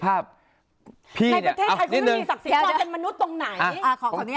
ในประเทศไทยก็ไม่มีศักดิ์ศรีความเป็นมนุษย์ตรงไหน